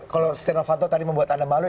tadi sistir nelvanto membuat anda malu